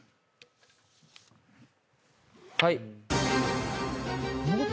はい。